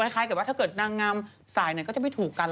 คล้ายกับว่าถ้าเกิดนางงามสายไหนก็จะไม่ถูกกัน